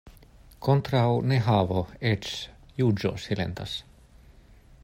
Kontraŭ nehavo eĉ juĝo silentas.